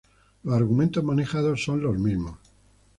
Los argumentos manejados son los mismos.